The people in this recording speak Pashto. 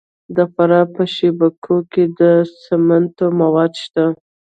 د فراه په شیب کوه کې د سمنټو مواد شته.